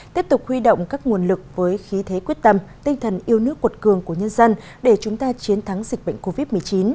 tiếp tục huy động các nguồn lực với khí thế quyết tâm tinh thần yêu nước cột cường của nhân dân để chúng ta chiến thắng dịch bệnh covid một mươi chín